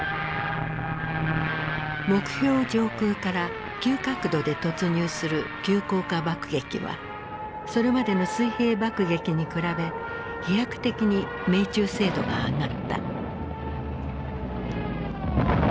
目標上空から急角度で突入する急降下爆撃はそれまでの水平爆撃に比べ飛躍的に命中精度が上がった。